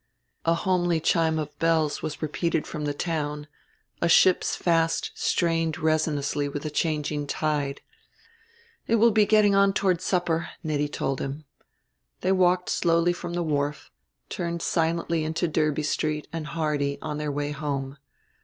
A homely chime of bells was repeated from the town; a ship's fast strained resinously with the changing tide. "It will be getting on toward supper," Nettie told him. They walked slowly from the wharf, turned silently into Derby Street and Hardy on their way home.